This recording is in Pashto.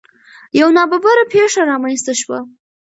یو نا ببره پېښه رامنځ ته شوه.